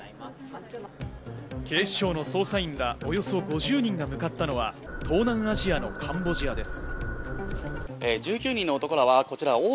警視庁の捜査員らおよそ５０人が向かったのは東南アジアのカンボジアです。